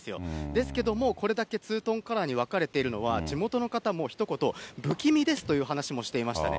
ですけども、これだけツートンカラーに分かれているのは、地元の方もひと言、不気味ですという話もしていましたね。